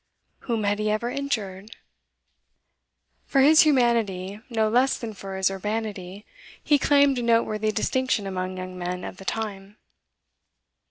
Whom had he ever injured? For his humanity, no less than for his urbanity, he claimed a noteworthy distinction among young men of the time.